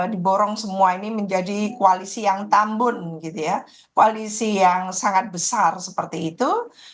diborong semua ini menjadi koalisi yang tambun gitu ya koalisi yang sangat besar seperti itu